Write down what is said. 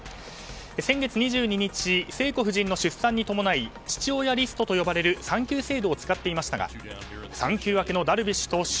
先月２２日聖子夫人の出産に伴い父親リストと呼ばれる産休制度を使っていましたが産休明けのダルビッシュ投手